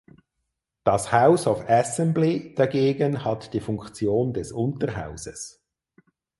Das House of Assembly dagegen hat die Funktion des Unterhauses.